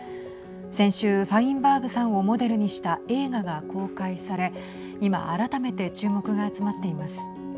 先週ファインバーグさんをモデルにした映画が公開され今改めて注目が集まっています。